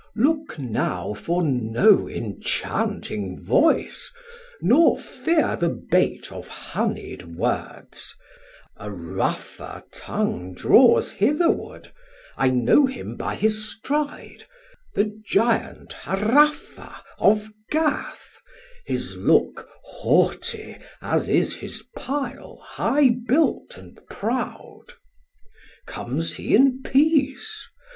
Chor: Look now for no inchanting voice, nor fear The bait of honied words; a rougher tongue Draws hitherward, I know him by his stride, The Giant Harapha of Gath, his look Haughty as is his pile high built and proud. Comes he in peace?